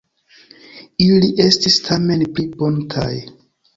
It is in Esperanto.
Ili estis tamen pli buntaj.